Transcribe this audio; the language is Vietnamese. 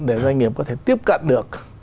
để doanh nghiệp có thể tiếp cận được